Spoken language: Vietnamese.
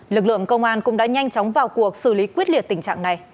lực lượng công an cũng đã nhanh chóng vào cuộc xử lý quyết liệt tình trạng này